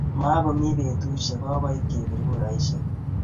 Makomii betusiek, kokoit kepir kuraisiek